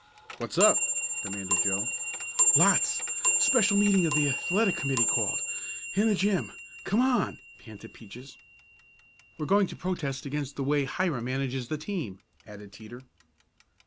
"What's up?" demanded Joe. "Lots. Special meeting of the athletic committee called. In the gym. Come on!" panted Peaches. "We're going to protest against the way Hiram manages the team!" added Teeter.